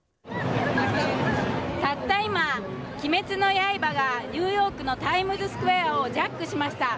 たった今、「鬼滅の刃」がニューヨークのタイムズスクエアをジャックしました。